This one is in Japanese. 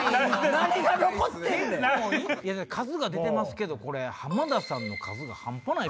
何が残ってんねん⁉数が出てますけど浜田さんの数が半端ない。